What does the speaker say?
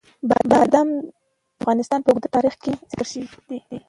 بادام د افغانستان په اوږده تاریخ کې ذکر شوی دی.